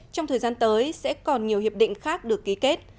trong thời gian tới sẽ còn nhiều hiệp định khác được ký kết